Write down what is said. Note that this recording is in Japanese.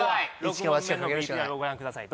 ６問目のＶＴＲをご覧ください